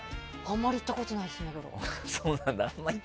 あまり行ったことないです。